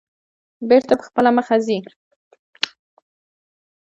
بېرته په خپله مخه ځي.